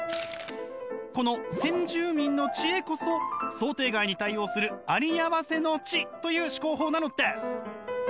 この先住民の知恵こそ想定外に対応するありあわせの知という思考法なのです！